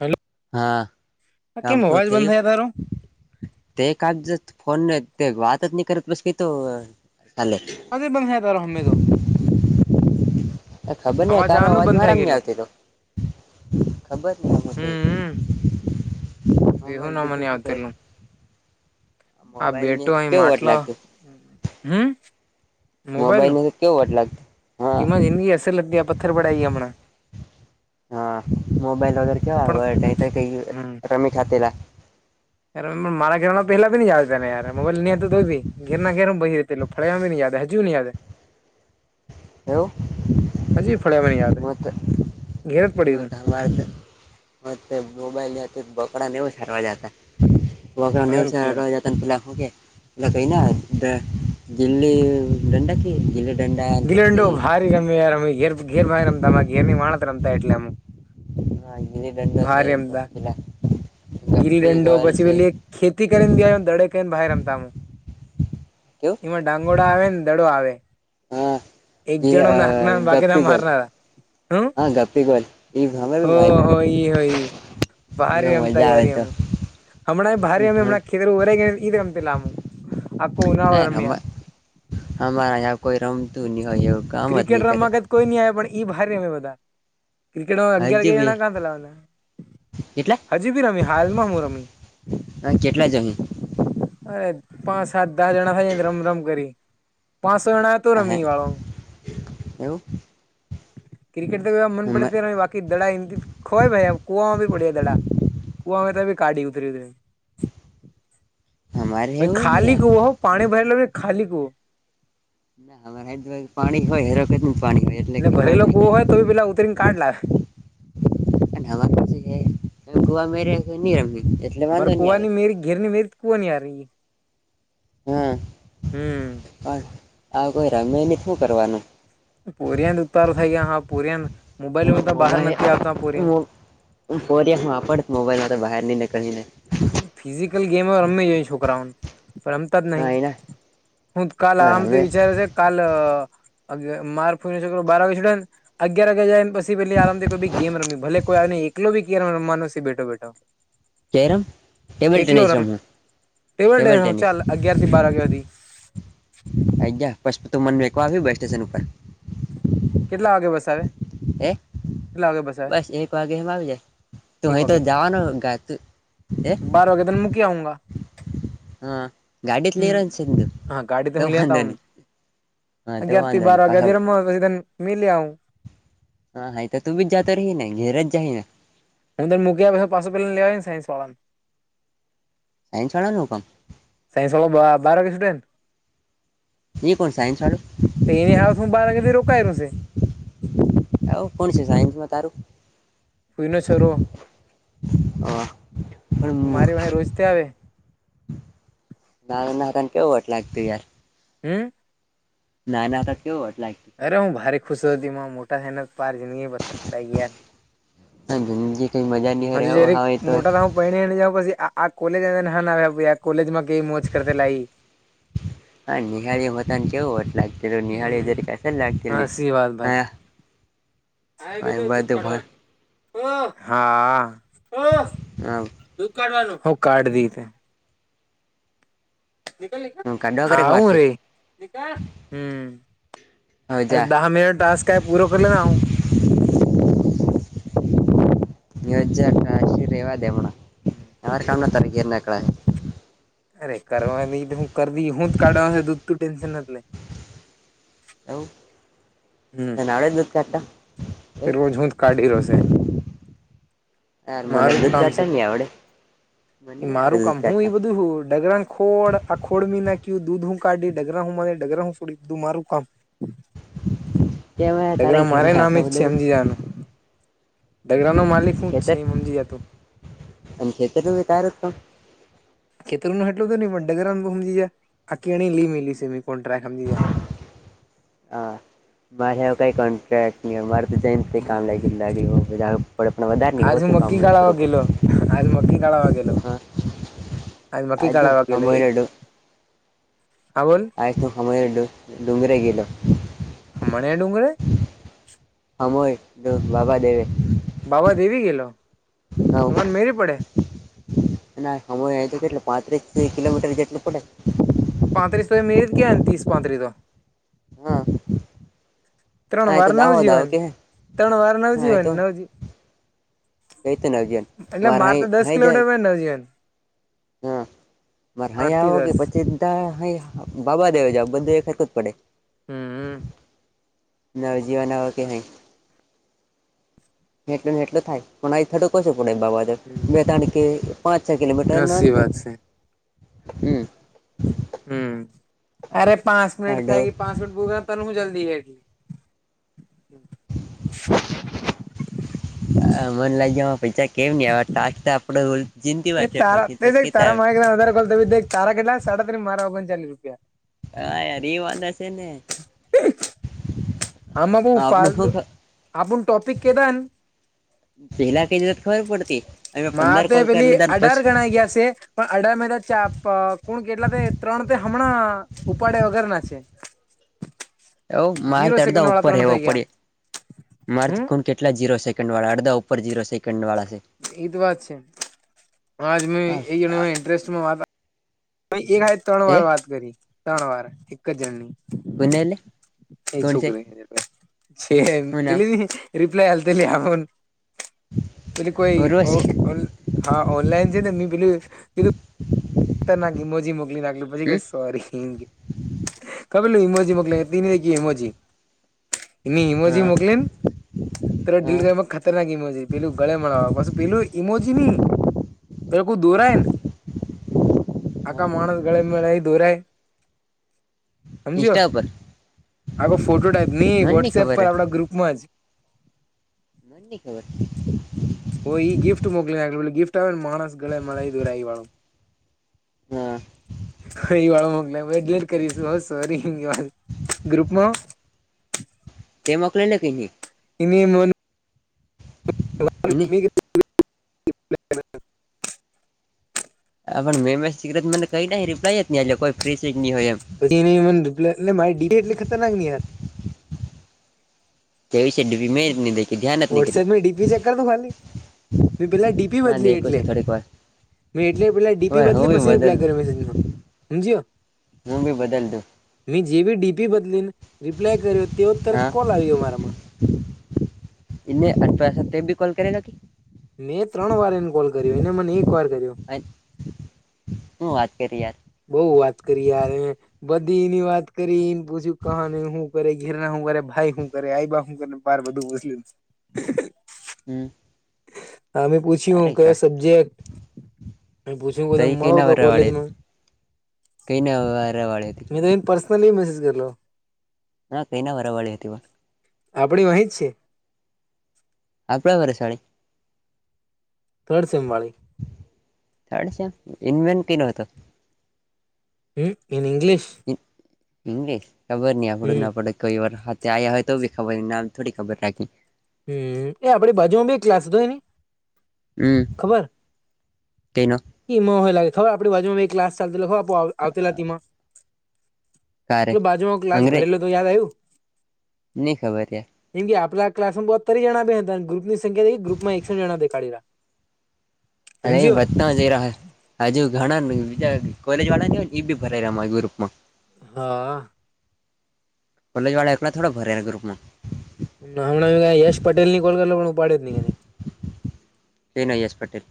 Hello. હા, કામ પૂરું થયું. થાય તારો તે [unintelligible] ફોનને તે વાત જ નહી કરત પછી તો હાલે. અમે પણ [unintelligible] અમે તો [unintelligible] ખબર નઈ તારો આવાનું અવાજ બંધ થાય મારામ નહી ગયેલું આવતી તો ખબર નઈ હમ્મ. [unintelligible] હુ મોબાઈલ બીજું નામની શું કર આતીલું આ મોબાઈલ ની બેટું અહી કેવું વટ માટલ લાગતું હ? મોબાઈલ તો કેવું વટ લાગ તીમાં જિંદગી અસર લગ્યા પથ્થર પડયા ઈ હમણાં. [unintelligible] હા મોબાઈલ વગર કેવા પણ વ નહી કઈ રમી ખાતેલા. [unintelligible] અમ મારા ખેમાં પહેલા થી જા ત યાર મોબાઈલ ની તોબી. [unintelligible] ઘેરના ઘેરમાં બહી રતે એલે ફરેમાં ન હજુ એન યાદ. [unintelligible] એવું હાજી ફળ્યા મન યાદે ઘેર પડી તું [unintelligible] રે મોબાઈલ બકડા ને એવું ફરવા જાતા. [unintelligible] વછ હારું કેવાય [unintelligible] [inaudible] તે પેલા હે એલા કંઈના ગિલ્લી દંડાકી ગિલ્લા ડા [unintelligible] ગીલી ઘેર ઘેર પાહે રમતા એટલે અમુક હા ગિલ્લી દંડો છે ભારે ને રમદા, પછી પેલા ગિલ ગપ્પી દંડો ગોલ પછી છે ઉલી એક ખેતી કરીને ગયા દડે કને બાએ રમતામ. એવું. એમાં ડાંગોડા આવે ને દડો આવે. હા એક જણો ગીઅ નાખના બાકીના ગપ્પી ગલ. મારનારા હમ હા ગપી ગલ એ હમે બી [unintelligible] એ હોય ઈ બહારે એમાં રમતા મજા આવે યારી તો એમ. હમણા હમ, ભારે અમે હમ. હમણાં ખેતર વરાઈ ગ ઈ રમતેલા મું. નઈ રમાય અમાર આય કોઈ રમ ક્રિકેટ રમવા ગત કોઈ નહી આવે પણ ઈ ભારે રમે બધા. ક્રિકેટ રમવા અગિયાર હજુ બી જણા ક્યાથી લાવાના હજી ભી રમી હાલમાં હું રમી. અન ચેટલા જમી. અરે પાંચ સાત દારણા હાયે, જ રમ રમ કરી પાંચસો જણા તો હે રમી વાળો એવું. ક્રિકેટ તો વા મન પડે અમા- ત્યારે વાત. કી દડા એમ ખોઈ ભાઈ આમ કુવામાંબી પડ્યા દડા કુવામાં કાઢી ઉથરી દે. અમારે તે એવું નહીં ખાલી કુવો હુ પાણી ભરલો નહીં ખાલી કૂવો. ના હવે હેન પાણી હોય હેરો કેટલું પાણી હોય. એટલે ખબર ભરેલો નહી કૂવો હોય તોય પેલા ઉતરીને કાઢ લાવે. અને હવે પછી હે ગોવા મેરે નહીં રમે. અમારે કુંવા ની મેરી ઘેરની મેરી કુવાની આ રહી હે. હા આ કોઈ રમે ની શું કરવાનું? પોરિયા જ ઉતારો થઈ ગયા હા પોરિયાન, મોબાઈલમે હા તો બહાર નથી આવતા પોરિયા. ફોરીમાં આપડ મોબાઈલમાં તો બહાર ને નીકળી એને. ફિઝિકલ ગેમો રમ્મી જોઈ છોકરાઓને પરમ તા જ નહીન હા એના હું કાલ આરામથી હવે વિચાર છે કાલ માર્ હોઈ શકે, બાર વાગે છુટન અગિયાર વાગ્યે જાય પછી. પેલી આરામથી કોઈ ગેમ રમી ભલે કોઈ એકલો ભી રમવાનો સે બેઠો બેઠો. જયરામ એકલો રમ ટેબલ ટેનિસ હ ચાલ અગિયાર થી બાર વાગ્યા હુધી. આઈ ગયા પશી મને મેકવા આવી બસ સ્ટેશન ઉપર. કેટલા વાગે બસ આવે હે કેટલા વાગે આવે બસ એક વાગે એમ આવી જાય. એક અહીં તો વાગે જવાનું ક્યાંક તો હે. બાર વાગે તને મુકીયાવુગા. હા ગાડી જ લઈ હમ રહ્યો છે તું હા ગાડી તો હું લ્યો વાંધો ત્યાં નહી આવું હા તો અગિયારથી વાંધો બાર નહી પાછા અગિયારથી રમવાનું મીલી આવું. [unintelligible] તો વિચાર કરી ને ઘેર જઈએ [unintelligible] સાયન્સ વાળા. સાયન્સ વાળાનું હું કામ સાયન્સ વાળો [unintelligible] ઈ કોણ સાયન્સ વાડો તો એની હાઉસમાં [unintelligible] આવું કોણ છે, સાયન્સમાં તારું કોઈનો છોરો મારી વાહી રોજતે આવે. નારેના અટાણે કેવું વટ લાગતું યાર. હે ના ના તો કેવો એટલે અરે હું ભારે ખુશ હતીમાં મોટા થના પાર જિંદગી પથર પતા ગયા [unintelligible] કઈ મજા ની હ હવે [unintelligible] તો મોટાર [unintelligible] પણે એને જઉ પછી આ કોલેજ અહીં આવ્યા કોલેજમાં કેઈ મોજ કરતે લાઈ હા, નિહાળી હોતાને કેવું હતા. નિહાળી જરીક અસલ લાગ હા સી વાત ભાઈ [unintelligible] [unintelligible] આમ [unintelligible] કાઢવા કરે વાર છે [unintelligible] હવે જા [unintelligible] બે હજાર આઠથી રહેવા દે હમણાં. હું. [unintelligible] [unintelligible] કાઢવાનું દૂધ તું ટેન્શન નથી લે એવું તને આવડે દૂધ કાઢતા? એ તે રોજ હુંજ કાઢી રો સે ના મને જ દૂધ કામ છે કાઢતા ની આવડે મને એ નહી આવડે મારું કામ દૂધ હું કાઢતા બધું હું ડગરાન કેમ હે [unintelligible] તારા ડગરા મારે ઘેરના નામે આટલા જ છે બધા રે હમજી જાનું ડગરા નો માલિક હું જ છે ખેતર આમ જી એ તો [unintelligible] [unintelligible] હા મારે કઈ ક ક અમારે તો જઈને કામ લાગી લાગ હો વધારે નહી આજ હોય હું તો કામ મક્કી ગાળાવા કરવું ગેલો પડે. આજ મકી ગાળવાેલો હા આજ મકી આજે ગાળ વાગેલો એક હમોયનો ડું હા બોલ આજ તું [unintelligible] ડુંગરે ગેલો હમણાં ડુંગરે [unintelligible] બાબા દેવે બાબા દેવી ગયેલો હા તમારે મેરી પડે ના સમય અ તો કેટ પાંત્રી કિલોમીટર જેટલું પડે? પાંત્રીસ તોો એમે જ ગયા ત્રીસ પાંત્રી તો હા ત્રણ આયતો વાર દાહોદ આવ નવજીવન કે ત્રણ વાર નવજીવન આયતો નવ ક ત નાજન [inaudible] એટલે માર મારા હે તો દસ હય જા કિલોમીટર માં નજીન હા મારે અહીં આઠ થી આવો કે દસ પછી બાબા દેવે જાવ બધું એક હરખું જ પડે. હમ હજી આન આવન કે હૈ? ને એટલો થાય પણ આ થડું કશો પણ બાવા બે તાણ કે પાંચ છ કિલોમીટર ન હસી અંતર વાત છે હમ હમ અરે પાંચ મિનિટ હાડો થાય ગઈ પાંચ મિનિટ બોલ તને હું જલ્દી છે એટલી [inaudible] હ મને લાગ પૈસાા કેમ ન આવતા આ વખતે આપડે ઉલટુ, એ તારા તે દેખ તારામા એકલા. વધારે કોલ થઈ તારા કેટલા સાડા તરી, મારા ઓગણ ચાલી રૂપિયા. હા યાર વાંધા છે ને? આમાં બુ આપડ ફાલ શું આ પુ ટોપિક કે ધાને પેલા કઈ દેતા તો વાત ખબર પડતી. અમે આ પંદર તે કોલ કરી પેલી લીધા અઢાર પછી ગણાઆ ગ્યાસેે? પણ અઢાર મા તો ચા પઅ કુલ કેટલા ત્રણ તે ત્રણ તે હમણાં ઉપાડે વગર ના છે. [inaudible] એવ જીરો મારતા અડદા સેકન્ડ વાળા ઉપર ત્રણ હેવ થઈ ગયા પડી હમ મારતી કોણ કે એટલા ઝીરો સેકન્વાળા અડધા ઉપર ઝીરો સેકન્ડળા છે. એ તો વાત છે આજ મે એ જ ઇન્ટરેસ્ટમાં વાત ભ એક આાય ત્રણ એ વાર વાત કરી ત્રણ વાર. જણ નહી કોને એટલે એ કોણ છે છોકરી છે હું દ નામ [inaudible] રિપ્લાય નય હાલ તલી આવન, તે કોઈ ઓ ઉર્વશી હા ઓનલાઈન છે નેં પેલું પધું કંઈક ઈમોજી મોકલી નાખ્યુ પછી કે હમ સોરી. ખબર નઈ, ઈમોજી મોકલે [inaudible] તખી ઈમોજી એમોજી હા મોકલે ને? તે ડીલ હા [inaudible] માં ખતરનાક ઇમોજ પેલુ ગળે મળવા નુ પાછુ પેલું ઈમોજી નહીં તો દોરાય ને, માણા ગળે મળાય એ દોરાય? સમજ્યો ઇન્સ્ટા ઉપર? ફોટો ટાઈપ નહી મને ની વોટ્સએપ ખબર પર હે આપણા ગ્રુપમાં જ. મને ખબર તો ઈ ગિફ્ટ મોકલી ગિફ્ટ આવે માણસે મળ દોરા એ વાળુ. હા હ એ વાળો મોકલી ડિલીટ કરીશું સોરી, ગ્રુપમાં? તે મોકલે ને કઈ નહી? ની મ [inaudible] બી જી હ પણ મેમે સ મને કઈ ના રિપ્લાય જ ન કોઈ ફ્રી સિગની હોય એમ. પછી મા એટલે [inaudible] ખતરનાક યાર કેવી શડી મેની [inaudible] વોટ્સએપ ડીપી ચેક કરતો ખાલી મે પેલા ડીપી હા બદલી દેખું એટલે છે થોડીક વાર મેં એટલે પેલા ડીપી વાર હું બદલે બી પછી બદલ રિપ્લાય કર્યો મેસેજ નો, સમજ્યો? હું બી બદલ દું. મેં જેવી ડીપી બદલીને રિપ્લાય કર્યો તેવો તરત હા કોલ આવયો મારામાં. એને અવા બી કોલ કરે લા? મેં ત્રણ વાર એને કોલ કર્યો એને મને એક વાર કર્યો. અન હું વાત કરી યાર. બઉ વાત કરી યાર બધીની વાત કરી એમ પૂછ્યું કા નહી હું કરે. ગીરના શું કરે ભાઈ શું કરે આઈ બા શું કર બાર બધું મુસ્લુ. હમ. અમે પૂછ્યું સારી કયો કહેવાય સબ્જેક્ટ પૂછ્યું ક તો ત એ મળો તો કોલેજ નુ કઈને વારેવાળી. મે તો એને પર્સનલી મેસેજ કરલો. હા કઈ ના વરાવાળી હતી વા. આપણી વાંહે છે. આપણા બર સાડી થડ સેમ વાળી. થડ સેમ ઇન્મેન ટી નો હતો. હમ ઇન ઇંગ્લીિશ. શ ખબર ન આપડું હમ ના પડે કોઈ વા તે આયા હોય તો ખબર નામ થોડી ખબર રાખી. હમ એ આપડી બાજુમાં બી ક્લાસ તોય ને હમ ખબર તેનો. હોય લાગે હવે આપડી બાજુમાં ક્લાસ ચાલતી આવતીલા માં. કારે લો બાજુમાં ક્લાસ ભરેલો તો યાદ આયું‌. નની ખબર હે. જેમ કે આપડા ક્લાસમાં બ તરી જણા બે્યા હતા ગુપ ની સંખ્યા ગ્રુપમાં એકસઠ જણા દેખાડેલા. [inaudible] અરે વા‌. જ હજુ ઘણા બીજા કોલેજ વાળા હોય બી ભરાય ગ્રુપમાં. હા. કોલેજ વાડા એકલા થોડા ભરેરા ગ્રુપમાં. હમણાં યશ પટેલ ની કોલ કરલો પણ હ ઉપાડે ન‌ઇ એને છે ને યસ પટેલ.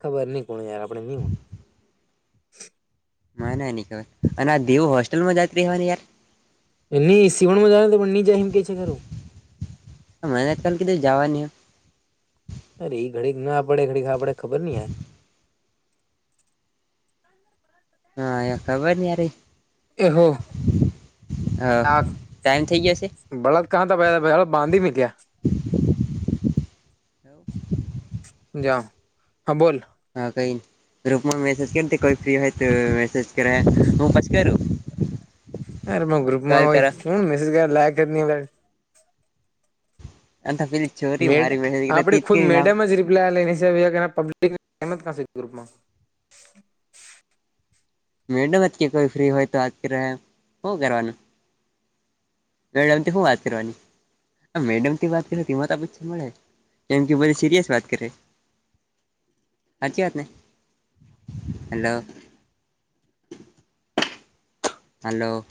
ખબર નહી કોણ યાર આપણે નહી. મા ના નની ખબર અને આ દેવ હોસ્ટેલ માં જાત હોવા ને યાર. એને ઈ સસીવણ માંજા ને પણહી જઈમ કે છે ઘરું મને કાલ કીધું જાવાની. અરે એ ઘડીક ના આપડે ઘડીક આપડે ખબર નઈ યાર. હા એ ખબર નથી તારે. એહો આ. ટાઈમ થઈ ગયો છે બળદ કં થ ભ ભ હળત બાંધી મેં ક્યા જા હા બોલ. હા કઈ ગુરુપ માં મેસેજ કયે થી કરતી હોય તો મેસેજ કરા હું પછ કરું. અરે ગ્રુપમાં કોલ હોય કરો હું મેસેજ કર લ જ ન અ આનતા પેલી્ મેડ આપડે ખુદ મેડિયમ જ રિપ્લાય લઈને્ [inaudible] ગુપમાં મેડમ કે કોઈ ફ્રી હોય તો આતી રહે હું કરવાનું. મેડમથી હું વાત કરવાની. આ મેડમ થી વાત કરે તેમાં તો પછી મળે કેમ કે બધી સીરિયસ વાત કરે. હાચી વાતને હેલો. હલો.